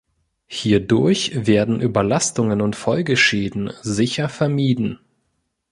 Hierdurch werden Überlastungen und Folgeschäden sicher vermieden.